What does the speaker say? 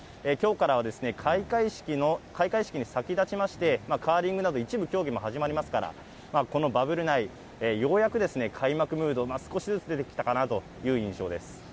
きょうからは、開会式に先立ちまして、カーリングなど、一部競技も始まりますから、このバブル内、ようやく開幕ムードが少しずつ出てきたかなという印象です。